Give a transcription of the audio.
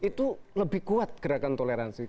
itu lebih kuat gerakan toleransi